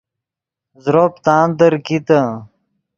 زروپ تاندیر کیتے